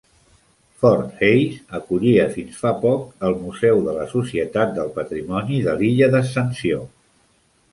Fort Hayes acollia fins fa poc el museu de la Societat del Patrimoni de l'illa d'Ascensió.